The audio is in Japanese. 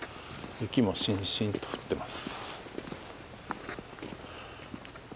雪もしんしんと降っています。